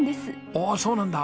おおそうなんだ。